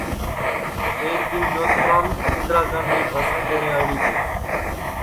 ایک دِؔن جودپُورام اِندرا گاندھی بھاسٹؔ دؔیٹؔیں آؤڑی تی